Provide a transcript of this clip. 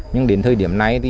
nhưng đến thời điểm này